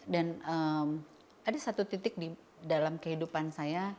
dan ada satu titik dalam kehidupan saya